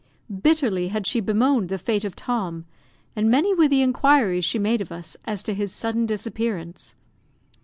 Bitterly had she bemoaned the fate of Tom, and many were the inquiries she made of us as to his sudden disappearance.